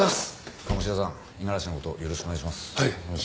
鴨志田さん五十嵐の事よろしくお願いします。